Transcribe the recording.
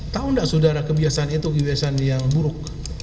tahu nggak saudara kebiasaan itu kebiasaan yang buruk